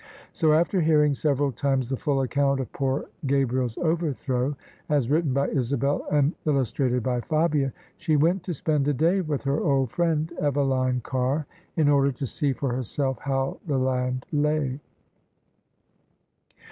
So, after hearing several times the full account of poor Gabriel's overthrow, as written by Isabel and illus trated by Fabia, she went to spend a day with her old friend, Eveline Carr, in order to see for herself how the land lay.